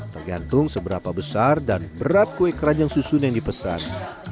tergantung seberapa besar dan berat kue keranjang susun yang dipesan